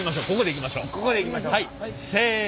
ここでいきましょうせの。